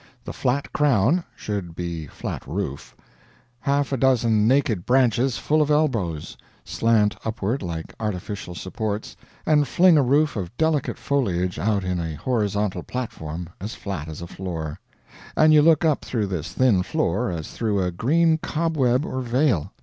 The "flat crown" (should be flat roof) half a dozen naked branches full of elbows, slant upward like artificial supports, and fling a roof of delicate foliage out in a horizontal platform as flat as a floor; and you look up through this thin floor as through a green cobweb or veil.